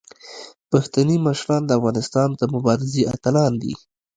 پښتني مشران د افغانستان د مبارزې اتلان دي.